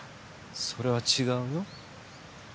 それは違うよ。